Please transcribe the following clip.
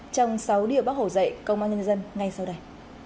trong sáu điều bác hồ dạy công an nhân dân ngay sau đây